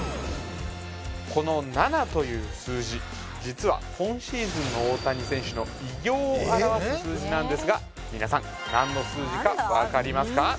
この７という数字実は今シーズンの大谷選手の偉業を表す数字なんですが皆さん何の数字か分かりますか？